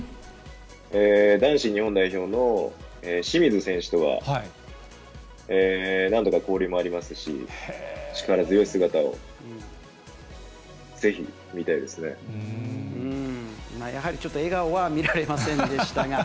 男子日本代表の清水選手とは、何度か交流もありますし、やはりちょっと笑顔は見られませんでしたが。